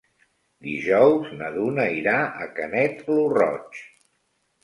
Dijous na Duna irà a Canet lo Roig.